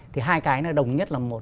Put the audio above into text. thì hai cái nó đồng nhất là một